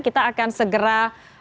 kita akan segera